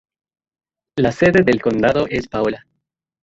La sede del condado es Paola.